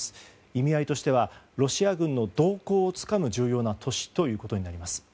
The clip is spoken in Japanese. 意味合いとしてはロシア軍の動向をつかむ重要な都市ということになります。